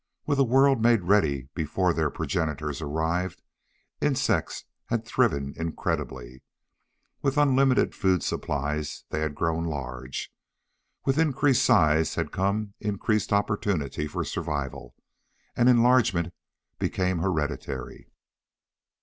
With a world made ready before their first progenitors arrived, insects had thriven incredibly. With unlimited food supplies, they had grown large. With increased size had come increased opportunity for survival, and enlargement became hereditary.